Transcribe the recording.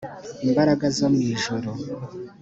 imbaraga zo mu ijuru